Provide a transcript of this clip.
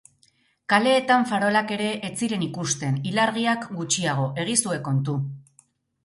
Kaleetan farolak ere ez ziren ikusten, ilargiak gutxiago, egizue kontu.